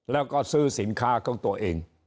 แล้วก็ซื้อสินค้าของตัวเอง